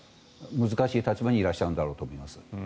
難しい立場にいらっしゃるんだろうと思います。